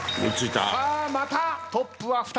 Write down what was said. さあまたトップは２人。